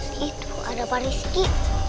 di situ ada parizki